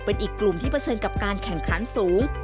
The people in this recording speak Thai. เป็นอีกกลุ่มที่เผชิญกับการแข่งขันสูง